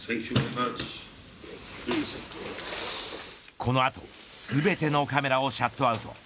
この後全てのカメラをシャットアウト。